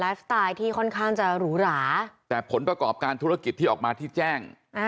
สไตล์ที่ค่อนข้างจะหรูหราแต่ผลประกอบการธุรกิจที่ออกมาที่แจ้ง